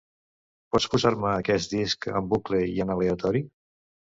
Pots posar-me aquest disc en bucle i en aleatori?